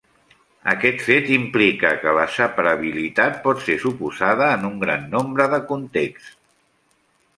Aquest fet implica que la separabilitat pot ser suposada en un gran nombre de contexts.